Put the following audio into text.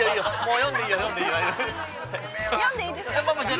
◆４でいいですか？